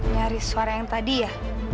nyari suara yang tadi ya